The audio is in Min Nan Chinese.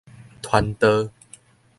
傳導